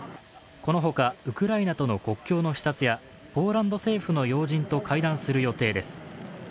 このほか、ウクライナとの国境の視察やポーランド政府の要人と会談する予定です。